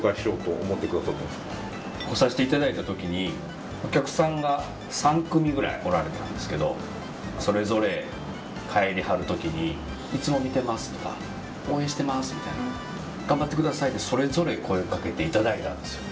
来させていただいた時にお客さんが３組ぐらいおられたんですけどそれぞれ帰りはる時にいつも見てますとか応援してますみたいな頑張ってくださいってそれぞれ声掛けていただいたんです。